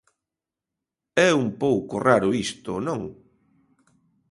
É un pouco raro isto, ¿non?